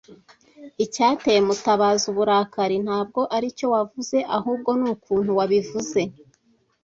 Icyateye Mutabazi uburakari ntabwo aricyo wavuze, ahubwo nukuntu wabivuze.